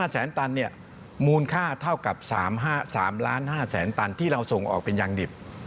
แสนตันเนี่ยมูลค่าเท่ากับ๓๕๐๐๐ตันที่เราส่งออกเป็นยางดิบ